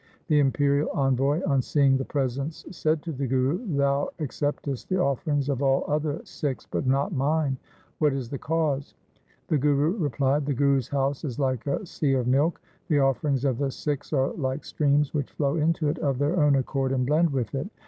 The imperial envoy on seeing the presents said to the Guru, ' Thou acceptest the offerings of all other Sikhs, but not mine. What is the cause ?' The Guru replied, ' The Guru's house is like a sea of milk. The offerings of the Sikhs are like streams which flow into it of their own accord, and blend with it.